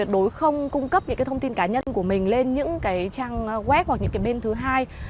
đối không cung cấp những cái thông tin cá nhân của mình lên những cái trang web hoặc những cái bên thứ hai